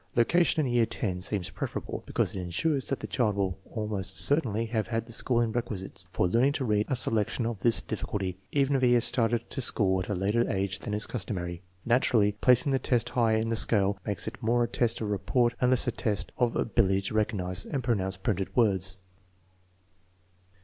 Location in year X seems preferable, because it insures that the child will almost certainly have had the schooling requisite for learning to read a selection of this difficulty, even if he has started to school at a later age than is customary. Naturally, placing the test higher in the scale makes it more a test of report and less a test of ability to recognize and pronounce printed words.